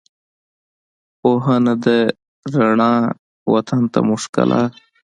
پوهنه ده رڼا، وطن ته مو ښکلا